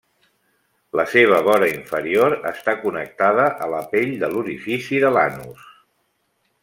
La seva vora inferior està connectada a la pell de l'orifici de l'anus.